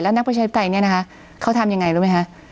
แล้วนักประชาธิปไตยเขาทำอย่างไรรู้ไหมคะ